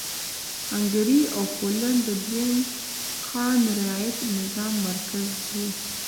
هنګري او پولنډ د دویم خان رعیت نظام مرکز و.